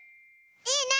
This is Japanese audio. いいね！